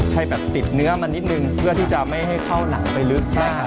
ให้แบบติดเนื้อมานิดนึงเพื่อที่จะไม่ให้เข้าหนังไปลึกนะครับ